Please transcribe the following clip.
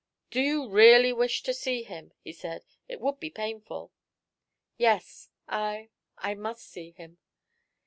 "Do you really wish to see him?" he said. "It would be painful." "Yes, I I must see him."